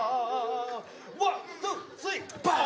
ワンツースリーバン！